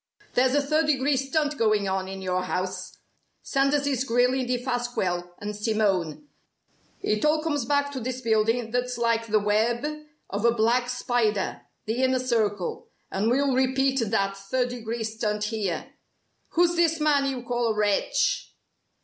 There's a third degree stunt going on in your house. Sanders is grilling Defasquelle and Simone. It all comes back to this building that's like the web of a black spider the Inner Circle and we'll repeat that third degree stunt here. Who's this man you call a wretch?"